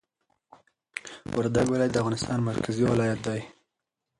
وردګ ولایت د افغانستان مرکزي ولایت دي